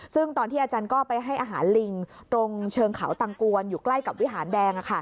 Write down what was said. ซึ่งตอนที่อาจารย์ก็ไปให้อาหารลิงตรงเชิงเขาตังกวนอยู่ใกล้กับวิหารแดง